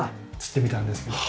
吊ってみたんですけど。